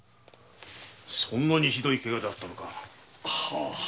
そんなにひどい怪我だったのか。